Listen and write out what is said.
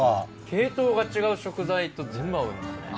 系統が違う食材と全部合うんですね。